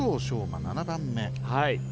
馬、７番目。